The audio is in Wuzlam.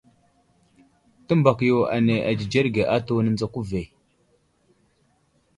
Təmbak yo ane adzədzerge atu, nənzako ve.